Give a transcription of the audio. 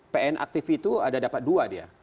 pn aktif itu ada dapat dua dia